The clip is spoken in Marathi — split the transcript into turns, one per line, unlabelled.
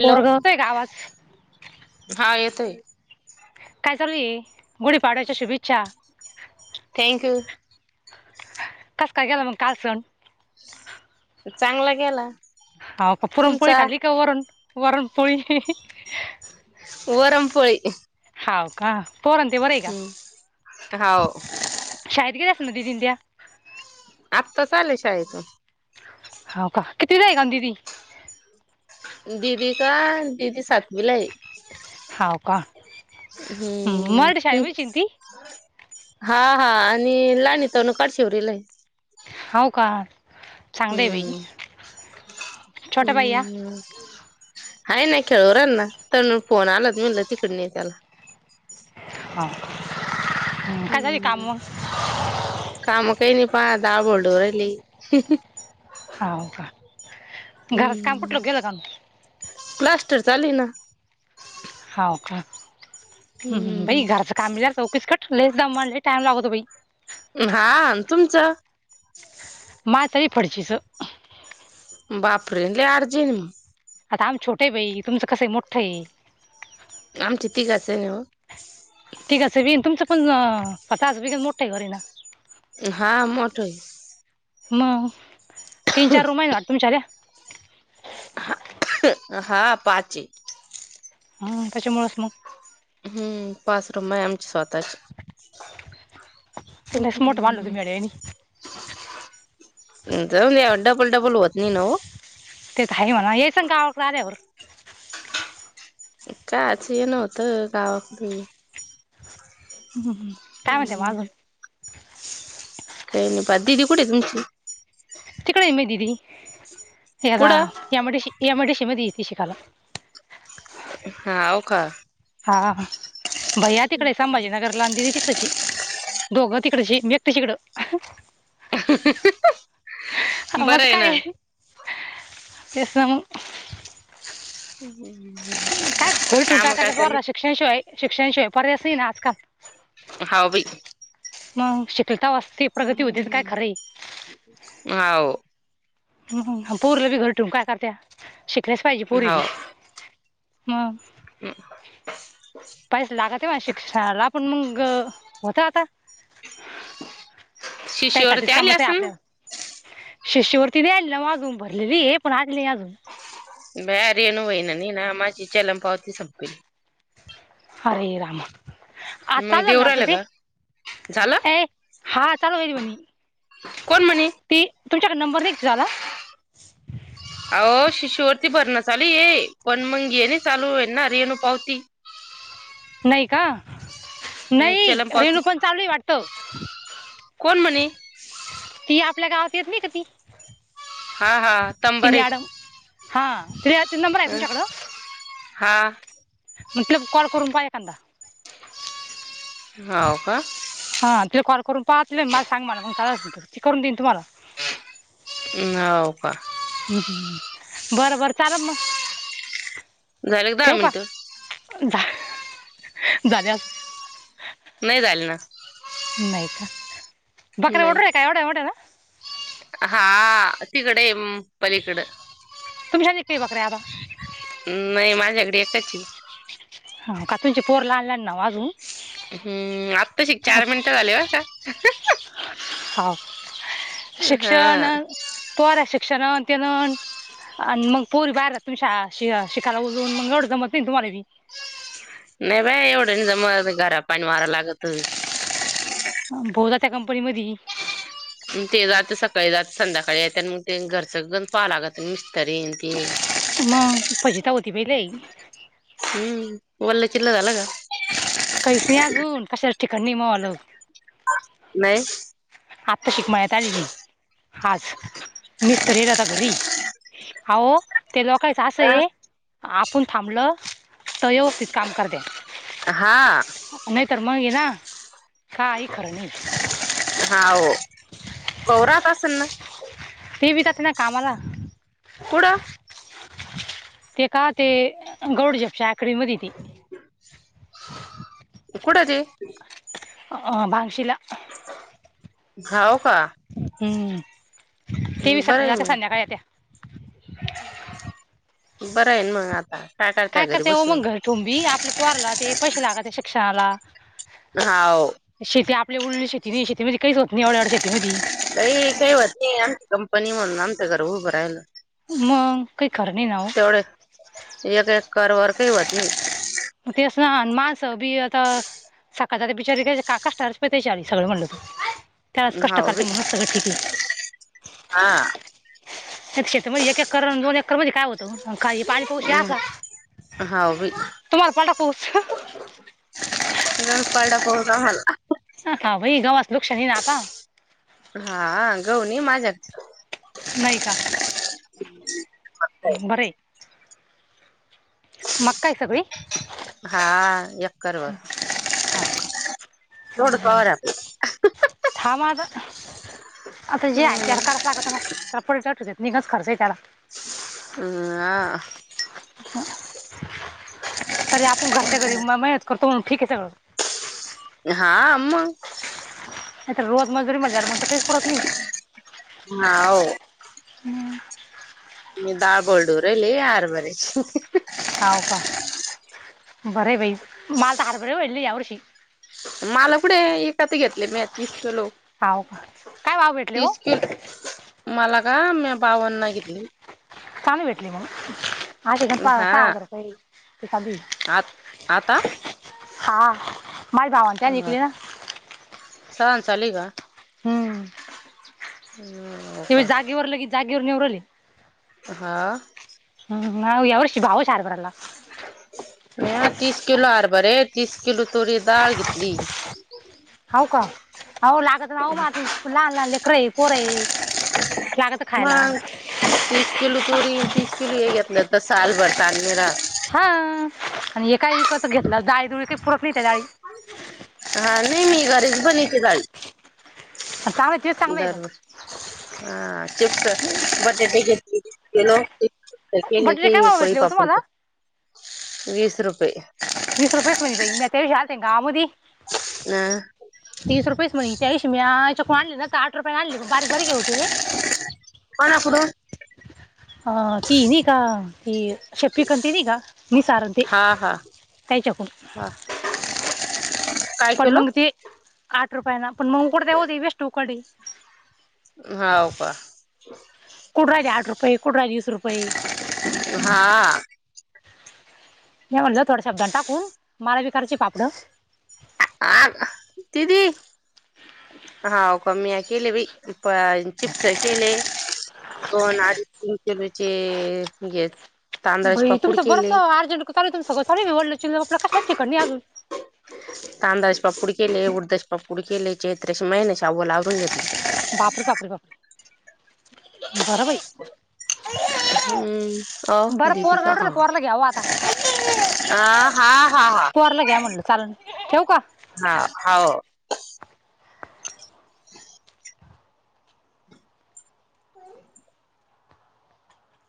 हॅलो
पोरग होतय का आवाज.
हा येतोय,
काय चालू ये गुढीपाडायच्या शुभेच्छा.
थँक्यू,
कस काय गेलं मग कालच!
चांगला गेला,
हो का पुरणपोळी
तुमचा
खाल्ली का वरण वरणपोळी.
वरणपोळी,
हाव का पोर ते बरे आहे का.
हाव
शाळेत गेले असतील दिदिन त्या,
आत्ता चालेल आले शाळेतुन!
हो का कितवीला आहेगा दीदी,
दीदी का दीदी सातवीला आहे.
हाव का, मराठी
हम्म,
शाळेमध्ये ती
हा हा आणि लाणी तनु काट शिवरीला आहे.
होव का, चांगलं आहे
हम्म
बाई छोट्या बाई या
हम्म, हा ना खेळवरांना तर म फोन आलात मलं तिकड न त्याला,
हां,
हम्म काम काही नाही पहा दहाबळ ढोरं हायत लय!
हो का घराच काम
हम्म
कुठलं केलं का नाही.
प्लास्टर चालू आहे ना,
हो का ह बाई
हम्म
घरचं कामला चौकीस कट लईस दमवाल्यात लई टाइम लागतो बाई?
हा तुमचं,
मा तरी फडचीचं,
बाप रे लय आर्जन हाय.
आता आम छोटे बाई तुमचं कसं मोठं आहे.
आमच्या तीघाच मिळून.
ठीकच बीन तुमचं पण तास बी मोठं घर आहे ना,
हा मोठ आहे.
मग तीन चार रूम आहे ना वाटत तुमच्यात,
हा पाचे,
हम् त्याच्यामुळेच मग,
हम्म पाच रूम हाय आम, स्वतःच,
तिकडेच मोठं बांधलं तुम्ही अड्यानी
जाऊन या डबल डबल होत नाही नव.
तेत आहे म्हणा, ये सांन गावाकळ आल्यावर.
काआच येन व्हतं गावा
ह ह, का म्हणते
हम्म
मागून?
काही नाही पात. दीदी कुठे तुमची?
तिकडे मी दीदी, येगा
कुठं
M I D C, M I D C मधी ती शिकाला.
हा हो का,
हा हा हा, भैया तिकडे संभाजीनगर ला, अ दीदि तिकडच ये दोघं तिकडची, मी एकटीच इकडं
बरं
आम्हात काय
ना
आहे. तेच न मग
[inaudible]
काय उलटून
काम
काय करता
चालू
पोराशी शिक्षणशिवाय, शिक्षणशिवाय पर्यास नाही आजकाल.
हाव बाई
मग शिकेल तव्हास ते काय खरं आहे
आव,
हम, पोरीले बी घरी ठेवून काय करत्या. शिकलेस पाहिजे पोरी
हाव
बी मग
[unintelligible]
पैसे लागत नाही मना शिक्षणाला पण मगं होतं आता त्यायसाठीच
शिष्यवरती आली
काम असं
असेल
आपल्याला
ना
शिष्यवृत्ती नाही आनलाव अजून भरलेली पण आणली अजून
बाहेर येनू होईना नाही ना माझी चलम पावती संपली.
हरे रामा! आता
मग देऊ
आलं [unintelligible]
राहिलं
ते.
का झालं
ए हा चालू होईल मनी.
कोण म्हणे
ती तुमच्याक नंबर नाही का तिचा आला.
अहो शिष्यवृत्ती भरणं चालू ये. पण मंग हे नाही चालू होईना रेणू पावती.
नाही का, नाही
चलन पावती
रेणू पण चालू आहे वाटतं.
कोण म्हणे?
ती आपल्या गावात येत नाही का ती.
हा हा,
ती
तंबारे
मॅडम, हा [unintelligible]
अं, हा,
मग तिले कॉल करून पहा एखांदा.
हाव का.
हां तिले कॉल करून पा. तिले मले सांग म्हणा मग [unintelligible] करून देईन तुम्हाला.
नव का
हं, बरं बरं चालन मग.
झाले का दहा मिनिटं?
झा, झाले आत
नाही झाले न?
नाही का, बकऱ्या
नाही
[unintelligible] आहे काय एवढ्या मोठ्या न.
हा तिकडे येम पलीकडं.
तुमच्या घरी काय बकऱ्या आता
नाही माझ्याकड एकच हे.
हावका तुमचे पोर लहान लहान नव अजून.
हम्म आत्ताशी चार मिनटं झाले बर का.
हाव शिक्षण
हा
आणि पोर शिक्षण त्यान आणि मग पोरी बाहेरला तून शाळा शिका शिकायला उजवून मग एवढं जमत नाही तुम्हाला बी.
नाही बाई एवढं नाही जमत, घरा पायीण वार लागत.
पोर त्या कंपनी मधी.
मग ते जात सकाळी जात आणि संध्याकाळी येत आणि मग ते घरचं गंज पाहाव लागत मिस्तरीन ते
मग फजिता होते बाई लई.
हम्म वल्ल चिल्ल झालं का?
काहीस नाही अजून, कशाच ठिकाण नाही माझ्या वाल.
नाही.
आताशी क मळ्यात आली मी आज, मिस्तरी राहता घरी. अहो ते लोकांच असय आपण थांबलं. तो व्यवस्थित काम करतात.
हा..
नाही तर मग हे ना काही खर नाही.
[inaudible] हा ओ कोरात असल ना.
ते बी जाते ना कामाला
कुढ?
ते का ते गौडी जपच्या आक्रिमध्ये ती
कुठ ते?
अ अ भांगशी ला
खाऊ का.
हम्म ते बी
बरं
सकाळी
आहे
जात्यात,
मग
संध्याकाळी येत्या.
बरं आहेन मग आत हय [unintelligible]
काय करत्या हो मग घर ठेवून बी, आपल्या पोराला ते पैसे लागत्या शिक्षणाला
हाव
शेती आपल्या उरली शेती नाही शेतीमध्ये काहीच होत नाही एवढ्या एवढ्या शेतीमधी.
बाई काही होत नाही, आमची कंपनी म्हणून आमचं घर उभं राहिलं.
मग काही खर नई ना व.
तेवढे एक एकर वरती होत नाही.
पण तेस ना, माणस बी आता सकाळी जाता बिचारे त्यांचे काका स्टार च पैसे ते चाळीस सगळं म्हणलं, त्यावेळेस कष्ट
हाव बी
करत्या म्हणूनच सगळं ठीक आहे.
हा
तेक क्षेत्र मध्ये एक एकर आणि दोन एकर मध्ये काय होत.
[inaudible] हा बई
तुम्हाला पाठवू का उस.
निदान पाडला पाऊस आम्हाला [inaudible]
सांगा बाई गावात वृक्ष नाही ना आता.
हा हा गहु नाही माझ्यात
नाही का. बरय. मक्का आहे सगळी
हा.. एकर वर
हा का
थोड पॉवर आहे आपली.
थांब आता. आता जे आहे ते
आपलं
आता करायच लागत ना, त्याला पलट असू दे निघच खर्च आहे त्याला
हं हा
हा. तरी आपण घरच्या घरी महेत करतो म्हणून ठीक आहे सगळं
हा आ म्म
नाही तर रोज मजुरी मल्या म्हण तर काही पुरत नइ.
हा हो
हम्म.
म डाळ भरडू राहीली हारभऱ्या ची.
हाव का,, बरय बाई, मलता हरभरे बार्ले यार्षी.
मला कुढे ईकत घेतले म्या तीस किलो.
हाव का,, काय भाव भेटले हो?
तीस किलो मला का मी बावन्नं घेतली.
चांगली भेटली म, आधी सा हाजार रुपय - -
आत आता
हा, माय गावातल्याने वीकली ना.
सावन चालूय गा,, हम्म.
हेबी जागेवर लगे जागेवर नीऊ रायले.
हा
हम्म, अओ यावर्षी भावश हरभर्राला.
म्या तीस किलो हरभरे, तीस किलो तूरी दाळ घेतली. [inaudible]
हाव का? अओ लागत ना माझं लहान लहान लेकरंय पोरं य, लागतौ खायला.
मग तीस किलो तुरी, तीस किलो ये घेतलं तर सालबर चाल नै रात.
हा,, आणी हे काय इकत घेतलं डाळी दुळी, काही पुरत नाही त्या डाळी.
हा, नाही मी घरीच बनवते दाळी.
चांगलंय तेच चांगलंय मग.
हा, चिपसं, बसत गेलो अ केेले
बटाटे
की
काय भाव
पळी
भेटले हो तुम्हाला
पापड, वीस रुपये.
वीस रुपये मई बई, ते यादी गावामधी
हां
तीस रुपयेच म्हणी त्याच्याशी मी याच्याकून आणली ना तर आठ रुपये आणली, बारीक बारकी होती लयी.
कोणाकडु
अहं ती नै का,, ती शपिकंती की मी सारंती.
हा हा
त्यांच्याकडून.
हा. काय
पण
केलो
मग ते आठ रुपयांना,, पण मऊ पडते ओ [unintelligible]
हाव का.
कुडं रायली आठ रुपय? कुडं रायली वीस रुपय.
हा
म्या म्हणलं थोड्या शब्दानं टाकून,, मला बि करायची पापडं.
आ दिदी, हाव का म्या केले बई. पण चिपसं केले,, दोन अडीच किलो किलोचे हे तांदळाचे
बई
पापूड
तुमचं
केले
बरसं अर्जंट चाल तुमंच सगळं सगवडलं आपलं कसलाच ठिकाणं नै अजून.
तांदळाचे पापुड केले, उडदाचे पापुड केले, चैत्र्य संपायला आवरून घेतलं.
बापरे! बापरे! बापरे! बरं बाई.
हम्म. अं
बरं
दीती
पोर
का? हा.
रडलं पोरला घ्यावं आता
[inaudible] अह, हा, हा, हा.
पोरला घ्या म्हणलं चालन ठेवू का
हा, हाव. [inaudible] [inaudible]